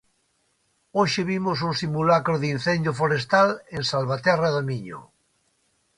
Hoxe vimos un simulacro de incendio forestal en Salvaterra de Miño.